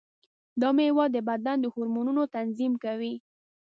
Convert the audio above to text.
دا مېوه د بدن د هورمونونو تنظیم کوي.